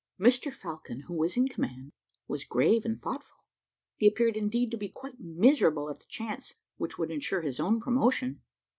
Mr Falcon, who was in command, was grave and thoughtful; he appeared indeed to be quite miserable at the chance which would insure his own promotion.